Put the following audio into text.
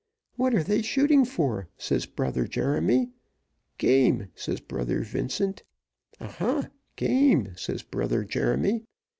'What are they shooting for?' says Brother Jeremy. 'Game,' says Brother Vincent. 'Aha! game,' says Brother Jeremy.